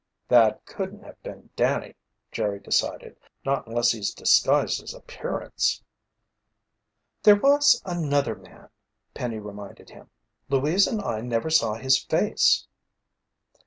"That couldn't have been Danny," Jerry decided. "Not unless he's disguised his appearance." "There was another man," Penny reminded him. "Louise and I never saw his face."